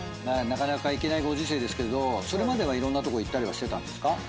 なかなか行けないご時世ですがそれまではいろんなとこ行ったりはしてたんですか？